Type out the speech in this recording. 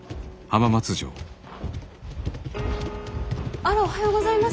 あらおはようございます。